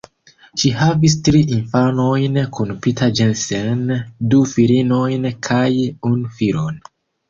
Ŝi havis tri infanojn kun Peter Jensen, du filinojn kaj unu filon.